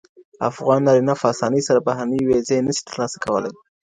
افغان نارینه په اسانۍ سره بهرنۍ ویزې نه سي ترلاسه کولای.